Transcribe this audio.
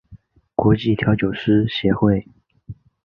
国际调酒师协会